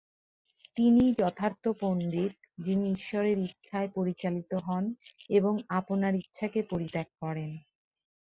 তিনিই যথার্থ পণ্ডিত, যিনি ঈশ্বরের ইচ্ছায় পরিচালিত হন এবং আপনার ইচ্ছাকে পরিত্যাগ করেন।